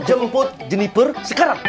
jemput jeniper sekarang